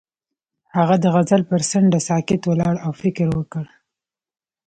هغه د غزل پر څنډه ساکت ولاړ او فکر وکړ.